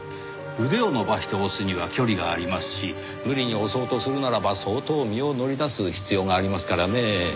腕を伸ばして押すには距離がありますし無理に押そうとするならば相当身を乗り出す必要がありますからねぇ。